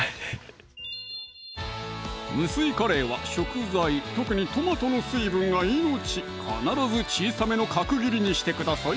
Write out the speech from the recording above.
無水カレーは食材特にトマトの水分が命必ず小さめの角切りにしてください